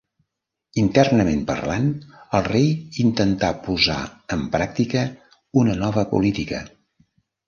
Internament parlant, el rei intentà posar en pràctica una nova política.